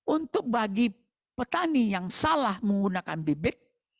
untuk bagi petani yang salah menggunakan bebek